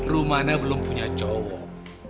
rumana belum punya cowok